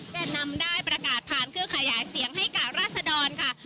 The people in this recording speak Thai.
แก่นำได้ประกาศผ่านเครื่องขยายเสียงให้กับราศดรค่ะ